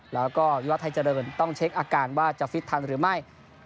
แล้วก็วิวัตไทยเจริญต้องเช็คอาการว่าจะฟิตทันหรือไม่